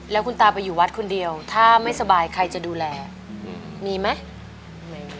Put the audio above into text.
แล้วคุณตาไปอยู่วัดคนเดียวถ้าไม่สบายใครจะดูแลมีไหม